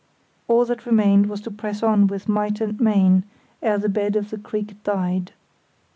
All that remained was to press on with might and main ere the bed of the creek dried.